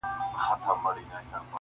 د ساقي د میوناب او د پیالو دی,